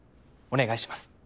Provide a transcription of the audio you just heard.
お願いします。